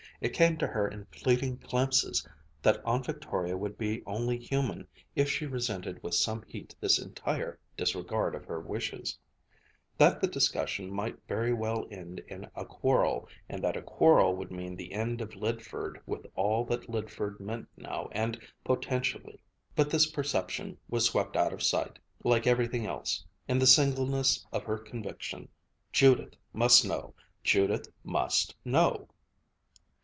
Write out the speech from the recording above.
It came to her in fleeting glimpses that Aunt Victoria would be only human if she resented with some heat this entire disregard of her wishes; that the discussion might very well end in a quarrel, and that a quarrel would mean the end of Lydford with all that Lydford meant now and potentially. But this perception was swept out of sight, like everything else, in the singleness of her conviction: "Judith must know! Judith must know!"